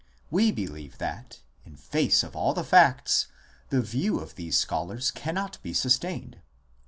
We believe that, in face of all the facts, the view of these scholars cannot be sustained.